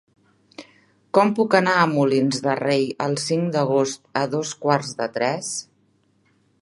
Com puc anar a Molins de Rei el cinc d'agost a dos quarts de tres?